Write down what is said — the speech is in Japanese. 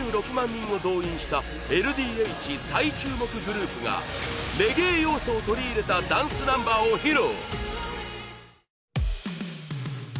人を動員したＬＤＨ最注目グループがレゲエ要素を取り入れたダンスナンバーを披露。